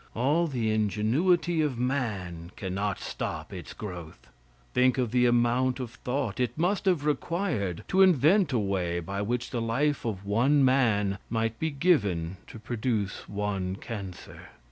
All the ingenuity of man cannot stop its growth. Think of the amount of thought it must have required to invent a way by which the life of one man might be given to produce one cancer?